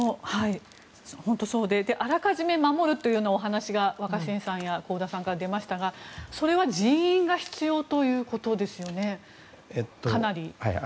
本当にそうであらかじめ守るというお話が若新さんや香田さんから出ましたがそれは人員が必要ということですよね。